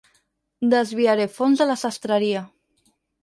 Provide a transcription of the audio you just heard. Desviaré fons de la sastreria.